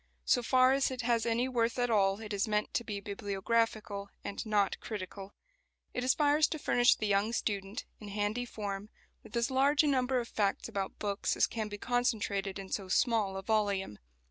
So far as it has any worth at all it is meant to be bibliographical and not critical. It aspires to furnish the young student, in handy form, with as large a number of facts about books as can be concentrated in so small a volume.